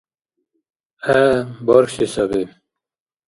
ГӀе, бархьси саби.